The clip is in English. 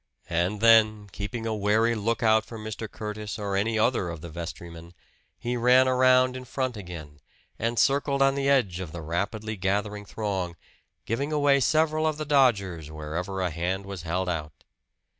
And then, keeping a wary lookout for Mr. Curtis or any other of the vestrymen, he ran around in front again, and circled on the edge of the rapidly gathering throng, giving away several of the dodgers wherever a hand was held out.